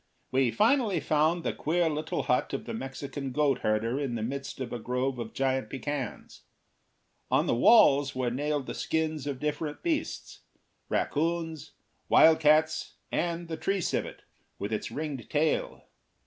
We finally found the queer little hut of the Mexican goat herder in the midst of a grove of giant pecans. On the walls were nailed the skins of different beasts, raccoons, wild cats, and the tree civet, with its ringed tail.